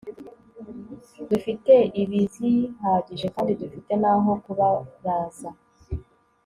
dufite ibizihagije kandi dufite n aho kubaraza